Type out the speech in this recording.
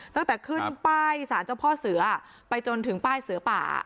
ตั้งแต่ขึ้นป้ายสารเจ้าพ่อเสือไปจนถึงป้ายเสือป่า